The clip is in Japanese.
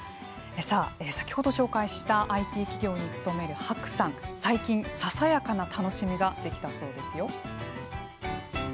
さあ、先ほど紹介したＩＴ企業に勤める薄さん最近、ささやかな楽しみができたそうですよ。